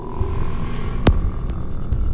tidak ada satu